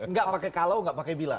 nggak pakai kalau nggak pakai bila